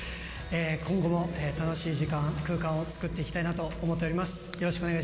今後も楽しい時間、空間を作っていきたいなと思っております。